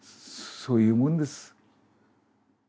そういうもんです